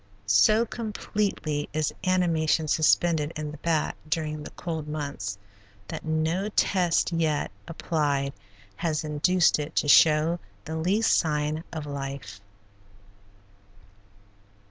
So completely is animation suspended in the bat during the cold months that no test yet applied has induced it to show the least sign of life.